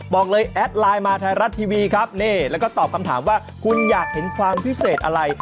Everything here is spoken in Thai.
บอกเลยแอดไลน์มาไทยรัฐทีวีครับนี่แล้วก็ตอบคำถามว่าคุณอยากเห็นความพิเศษอะไร